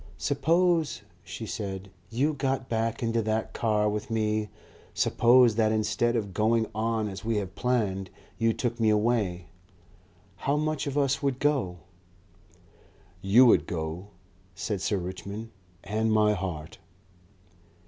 "Suppose," she said, "you got back into that car with me; suppose that instead of going on as we have planned, you took me away. How much of us would go?" "You would go," said Sir Richmond, "and my heart."